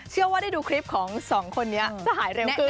เชื่อว่าได้ดูคลิปของสองคนนี้จะหายเร็วขึ้น